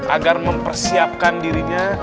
agar mempersiapkan dirinya